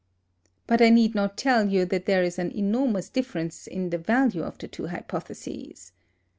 But I need not tell you that there is an enormous difference in the value of the two hypotheses.